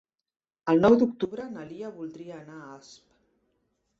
El nou d'octubre na Lia voldria anar a Asp.